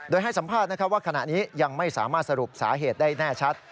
โดยให้สัมภาษณ์ว่าขณะนี้ยังไม่สามารถสรุปสาเหตุได้แน่ชัด